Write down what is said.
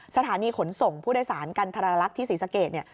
สถานีขนส่งผู้โดยสารกันทรลักษณ์ที่ศรีสะเกดเนี่ย